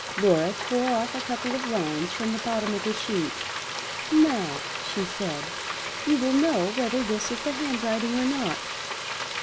Laura tore off a couple of lines from the bottom of the sheet. "Now," she said, "you will know whether this is the handwriting or not.